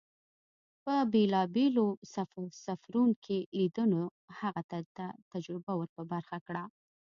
په بېلابېلو سفرون کې لیدنو هغه ته تجربه ور په برخه کړه.